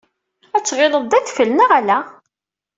Ad tɣileḍ d adfel, neɣ ala?